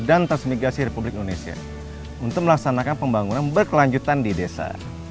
transmigrasi republik indonesia untuk melaksanakan pembangunan berkelanjutan di desa